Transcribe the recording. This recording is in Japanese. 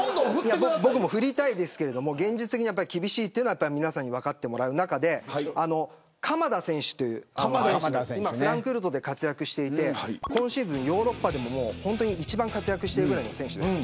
僕も振りたいですけど現実的に厳しいというのは皆さんに分かってもらいたい中で鎌田選手というフランクフルトで活躍していて今シーズン、ヨーロッパで一番活躍しているぐらいの選手です。